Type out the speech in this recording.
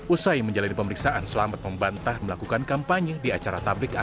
usai menjalani pemeriksaan selamat membantah melakukan kampanye di acara tablik ak